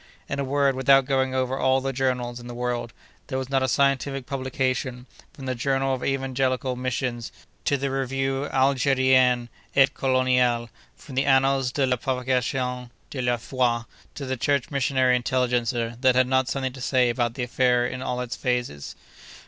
In a word, without going over all the journals in the world, there was not a scientific publication, from the Journal of Evangelical Missions to the Revue Algérienne et Coloniale, from the Annales de la Propagation de la Foi to the Church Missionary Intelligencer, that had not something to say about the affair in all its phases.